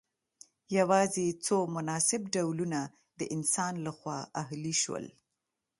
یوازې څو مناسب ډولونه د انسان لخوا اهلي شول.